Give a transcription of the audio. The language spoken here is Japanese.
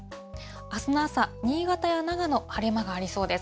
あすの朝、新潟や長野、晴れ間がありそうです。